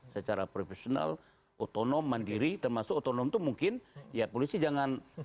secara profesional otonom mandiri termasuk otonom itu mungkin ya polisi jangan